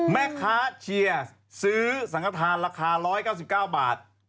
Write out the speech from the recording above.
แม่ค้าเชียร์ซื้อสังขทานราคา๑๙๙บาท